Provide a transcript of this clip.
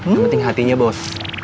yang penting hatinya bos